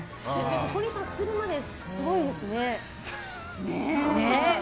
そこに達するまですごいですね。